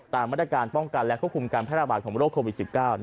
ตามรัฐการณ์ป้องกันและควบคุมการพยาบาลของโรคโควิด๑๙